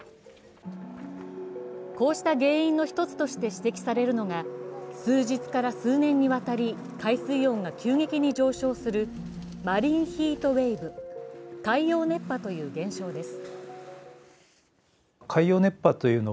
こうした原因の一つとして指摘されるのが数日から数年にわたり海水温が急激に上昇するマリン・ヒートウエーブ＝海洋熱波という現象です。